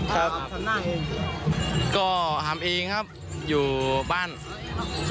ก็แฮมต์เมจมาด้วยครับก็ทำเองครับอยู่บ้านดีครับ